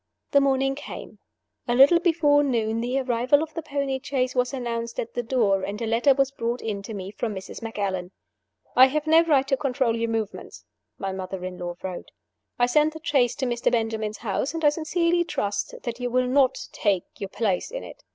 The morning came. A little before noon the arrival of the pony chaise was announced at the door, and a letter was brought in to me from Mrs. Macallan. "I have no right to control your movements," my mother in law wrote. "I send the chaise to Mr. Benjamin's house; and I sincerely trust that you will not take your place in it.